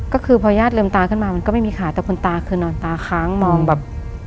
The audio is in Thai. ก็คือพอญาติลืมตาขึ้นมามันก็ไม่มีขาแต่คุณตาคือนอนตาค้างมองแบบ